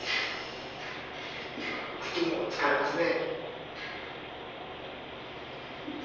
口も使いますね。